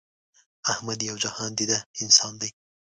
احمد یو جهان دیده انسان دی.